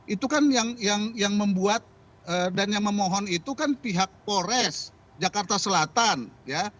itu kan yang membuat dan yang memohon itu kan pihak polres jakarta selatan ya